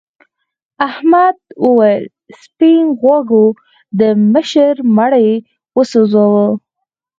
احمد وویل سپین غوږو د مشر مړی وسوځاوه.